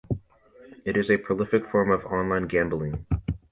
It is a prolific form of online gambling.